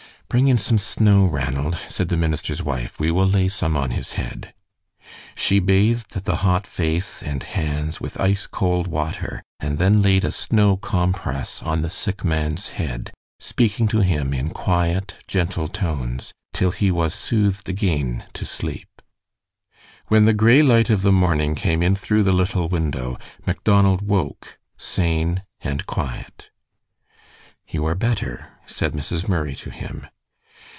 "Bring in some snow, Ranald," said the minister's wife; "we will lay some on his head." She bathed the hot face and hands with ice cold water, and then laid a snow compress on the sick man's head, speaking to him in quiet, gentle tones, till he was soothed again to sleep. When the gray light of the morning came in through the little window, Macdonald woke sane and quiet. "You are better," said Mrs. Murray to him.